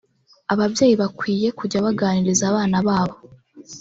Ababyeyi bakwiye kujya baganiriza abana babo